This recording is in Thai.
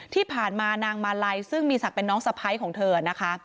ที่ผ่านมานางมาลัยซึ่งมีศักดิ์เป็นน้องสะพ้ายของเธอนะคะ